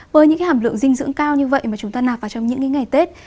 với những hàm lượng dinh dưỡng cao như vậy mà chúng ta nạp vào trong những ngày tết